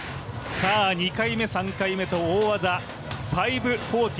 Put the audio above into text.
２回目、３回目と大技、５４０。